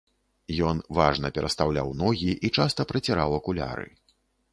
Ён важна перастаўляў ногі і часта праціраў акуляры.